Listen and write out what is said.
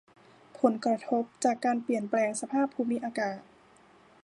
ผลกระทบจากการเปลี่ยนแปลงสภาพภูมิอากาศ